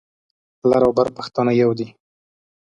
لر او بر پښتانه يو دي.